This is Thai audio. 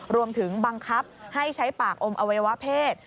รวมถึงบังคับให้ใช้ปากอมอวัยวะเพศ